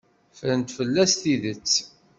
Ffrent fell-as tidet.